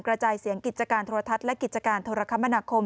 กระจายเสียงกิจการโทรทัศน์และกิจการโทรคมนาคม